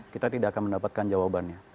kita tidak akan mendapatkan jawabannya